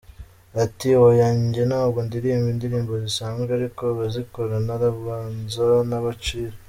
Ati, “Oya njye ntabwo ndirimba indirimbo zisanzwe ariko abazikora ntarubanza nabacira.